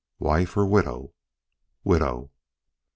"Wife or widow?" "Widow."